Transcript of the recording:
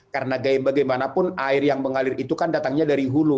karena bagaimanapun air yang mengalir itu kan datangnya dari hulu